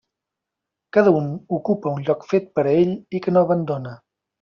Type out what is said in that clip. Cada un ocupa un lloc fet per a ell i que no abandona.